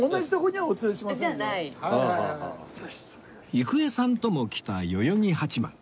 郁恵さんとも来た代々木八幡